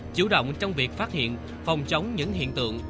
chủ động trong việc phát hiện phòng chống những hiện tượng